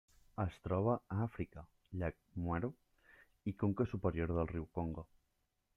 Es troba a Àfrica: llac Mweru i conca superior del riu Congo.